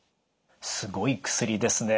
すごい薬ですね。